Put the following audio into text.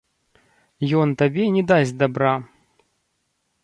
Ён табе не дасць дабра.